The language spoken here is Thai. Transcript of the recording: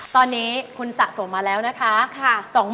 ตอนนี้คุณสะสมมาแล้วนะคะ